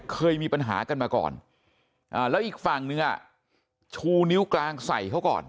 เคยมีปัญหากันมาก่อนแล้วอีกฝั่งนึงชูนิ้วกลางใส่เขาก่อน